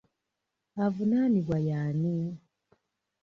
Avunaanibwa y'ani?